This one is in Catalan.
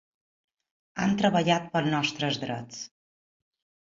Han treballat pels nostres drets.